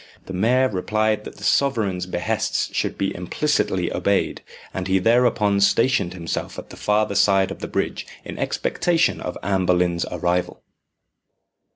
The mayor replied that the sovereign's behests should be implicitly obeyed, and he thereupon stationed himself at the farther side of the bridge in expectation of Anne Boleyn's arrival.